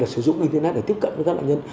sử dụng internet để tiếp cận với các nạn nhân